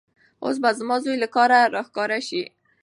اوس به زما زوی له کاره راښکاره شي.